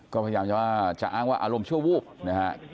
ก็พยายามจะอ้างว่าอารมณ์ชั่ววูบนะฮะ